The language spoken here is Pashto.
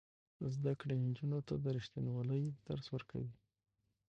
زده کړه نجونو ته د ریښتینولۍ درس ورکوي.